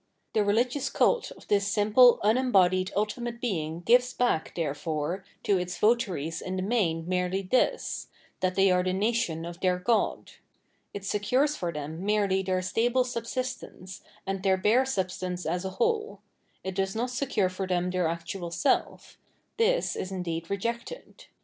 The religious cult of this simple un embodied ultimate Being gives back, therefore, to its votaries in the main merely this : that they are the nation of their god. It secures for them merely their stable subsistence, and their bare substance as a whole ; it does not secure for them their actual self ; this is indeed rejected.